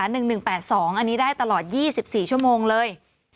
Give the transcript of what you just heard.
อันนี้ได้ตลอด๒๔ชั่วโมงเลย